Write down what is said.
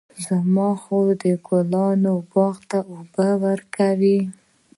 زما خور د ګلانو باغ ته اوبه ورکوي.